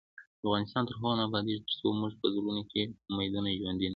افغانستان تر هغو نه ابادیږي، ترڅو مو په زړونو کې امیدونه ژوندۍ نشي.